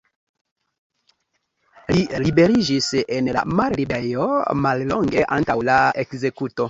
Li liberiĝis el la malliberejo mallonge antaŭ la ekzekuto.